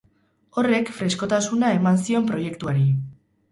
Horrek freskotasuna eman zion proiektuari.